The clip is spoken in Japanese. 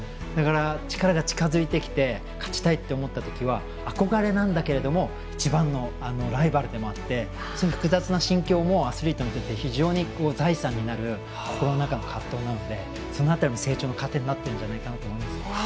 だから、力が近づいてきて勝ちたいと思ったときは憧れなんだけれども一番のライバルでもあってそういう複雑な心境もアスリートにとって非常に財産になる心の中の葛藤なのでその辺りも成長の糧になってるんじゃないかなと思います。